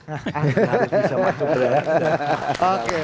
harus bisa masuk ke dalam